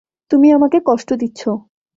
তুমি আমাকে কষ্ট দিচ্ছ!